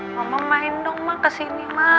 mama main dong ma kesini ma